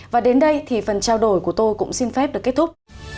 và đến đây thì phần trao đổi của tôi cũng xin phép được kết thúc